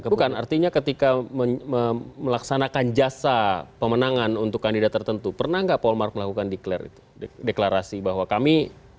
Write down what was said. bukan artinya ketika melaksanakan jasa pemenangan untuk kandidat tertentu pernah nggak polmark melakukan deklarasi bahwa kami